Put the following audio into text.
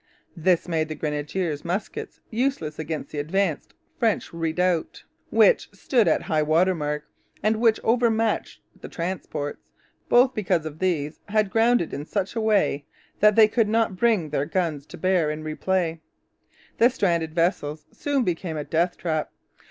This made the grenadiers' muskets useless against the advanced French redoubt, which stood at high water mark, and which overmatched the transports, because both of these had grounded in such a way that they could not bring their guns to bear in reply. The stranded vessels soon became a death trap.